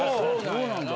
そうなんだ。